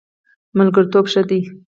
ملګرتوب ښه دی.